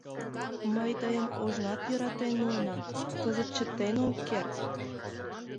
Мый тыйым ожнат йӧратен омыл, кызыт чытен ом керт!